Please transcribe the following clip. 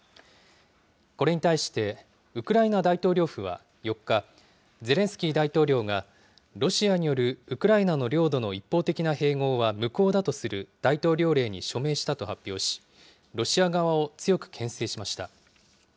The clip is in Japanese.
これに対して、ウクライナ大統領府は４日、ゼレンスキー大統領が、ロシアによるウクライナの領土の一方的な併合は無効だとする大統領令に署名したと発表し、ロシア側を強くけん制しました。